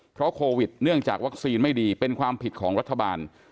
เพราะโควิดเนื่องจากวัคซีนไม่ดีเป็นความผิดของรัฐบาล